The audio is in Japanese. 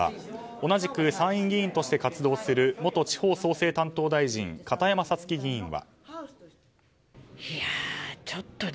同じく参院議員として活動する元地方創生担当大臣の片山さつき議員は。